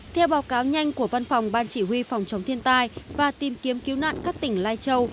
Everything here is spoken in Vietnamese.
theo báo cáo nhanh của văn phòng ban chỉ huy phòng chống thiên tai và tìm kiếm cứu nạn các tỉnh lai châu